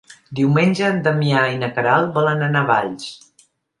Diumenge en Damià i na Queralt volen anar a Valls.